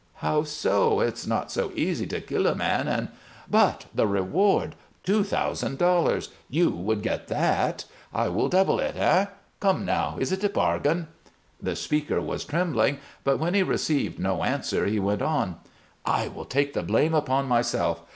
"How so? It's not so easy to kill a man and " "But the reward two thousand dollars! You would get that. I will double it. Eh? Come now, is it a bargain?" The speaker was trembling, but when he received no answer he went on: "I will take the blame upon myself.